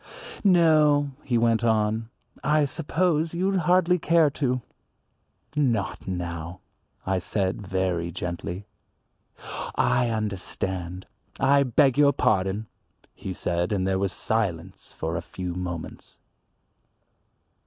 "No," he went on, "I suppose you'd hardly care to." "Not now," I said very gently. "I understand. I beg your pardon," he said, and there was silence for a few moments.